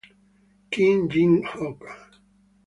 Kim Jin-kook